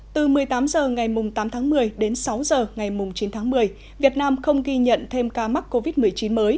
từ một mươi tám h ngày tám tháng một mươi đến sáu h ngày chín tháng một mươi việt nam không ghi nhận thêm ca mắc covid một mươi chín mới